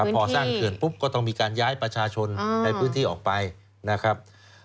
พอสร้างเขื่อนปุ๊บก็ต้องมีการย้ายประชาชนในพื้นที่ออกไปนะครับ